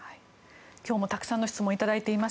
今日もたくさんの質問を頂いています。